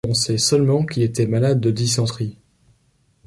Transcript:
On sait seulement qu’il était malade de dysenterie.